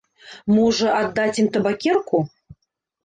Можа, аддаць ім табакерку?